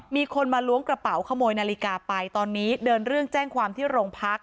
มีคนมาล้วงกระเป๋าขโมยนาฬิกาไปตอนนี้เดินเรื่องแจ้งความที่โรงพัก